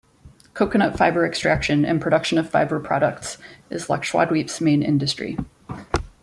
Coconut fibre extraction and production of fibre products is Lakshadweep's main industry.